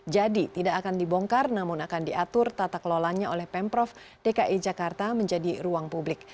jadi tidak akan dibongkar namun akan diatur tata kelolanya oleh pemprov dki jakarta menjadi ruang publik